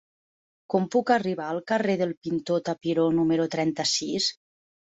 Com puc arribar al carrer del Pintor Tapiró número trenta-sis?